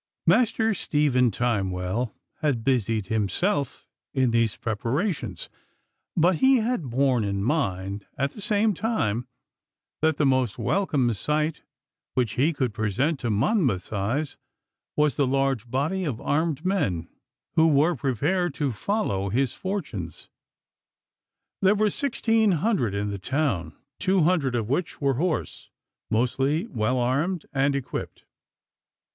Master Stephen Timewell had busied himself in these preparations, but he had borne in mind at the same time that the most welcome sight which he could present to Monmouth's eyes was the large body of armed men who were prepared to follow his fortunes. There were sixteen hundred in the town, two hundred of which were horse, mostly well armed and equipped.